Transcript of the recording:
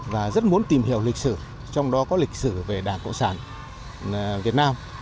và rất muốn tìm hiểu lịch sử trong đó có lịch sử về đảng cộng sản việt nam